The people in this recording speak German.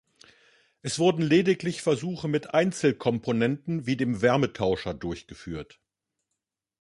Es wurden lediglich Versuche mit Einzelkomponenten wie dem Wärmetauscher durchgeführt.